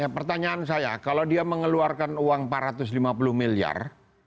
pertanyaan saya kalau dia mengeluarkan uang empat ratus lima puluh miliar